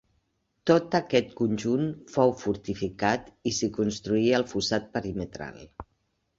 Tot aquest conjunt fou fortificat i s'hi construí el fossat perimetral.